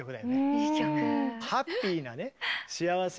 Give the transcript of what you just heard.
いい曲。